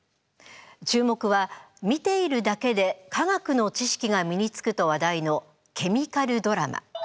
注目は見ているだけで化学の知識が身につくと話題のケミカルドラマ。